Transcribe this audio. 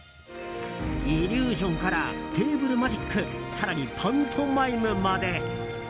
イリュージョンからテーブルマジック更にパントマイムまで。